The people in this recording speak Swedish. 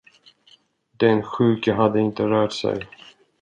Den sjuke hade inte rört sig.